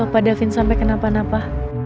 apa devin sampai kenapa napa